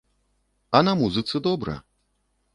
А на музыцы добра.